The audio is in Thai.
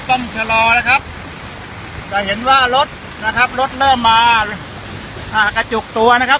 ต้องชะลอนะครับจะเห็นว่ารถนะครับรถเริ่มมาอ่ากระจุกตัวนะครับ